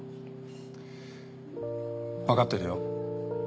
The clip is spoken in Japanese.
わかってるよ。